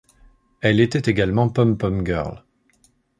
Elle était également pom-pom girl.